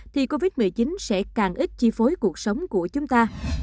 thì covid một mươi chín sẽ càng ít chi phối cuộc sống của chúng ta